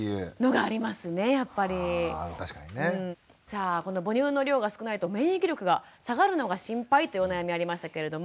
さあこの母乳の量が少ないと免疫力が下がるのが心配というお悩みありましたけれども笠井さん